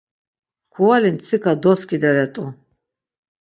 Kuvali mtsika doskideret̆u.